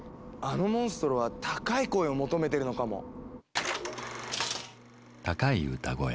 あのモンストロは高い声を求めてるのかも。